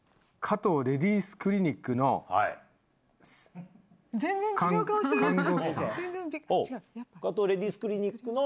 加藤レディスクリニックの？